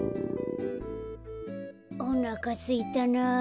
おなかすいたな。